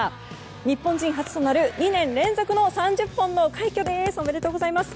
日本人初となる２年連続の３０本の快挙です！